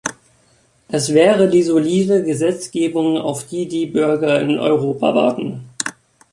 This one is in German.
Das wäre die solide Gesetzgebung, auf die die Bürger in Europa warten.